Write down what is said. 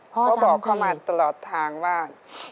เขาบอกเข้ามาตลอดทางว่า